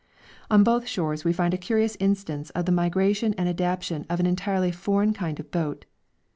On both shores we find a curious instance of the migration and adaptation of an entirely foreign kind of boat.